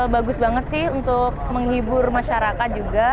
bagus banget sih untuk menghibur masyarakat juga